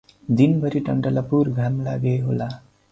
दिनभरि टन्टलापुर घाम लाग्ने होला ।